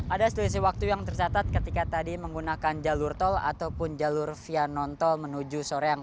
ada selisih waktu yang tersatat ketika tadi menggunakan jalur tol ataupun jalur via non tol menuju soroyang kabupaten bandung